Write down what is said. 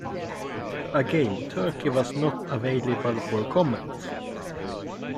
Again "Turki was not available for comment".